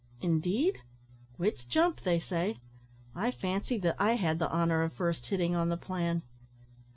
"Indeed! wits jump, they say. I fancied that I had the honour of first hitting on the plan."